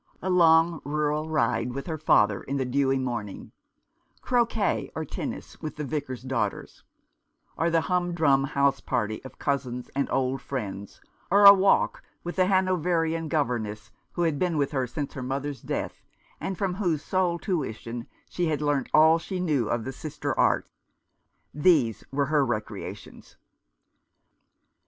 A long rural ride with her father in the dewy momtng; croquet or tennis with the Vicars daughters ; or the humdrum house party cf cousins and old friends, or a walk with the Hanoverian governess who had been with her since her mother's death, and from whose sole tuition she had learnt all she knew of the sister arts ;— these were her recreations.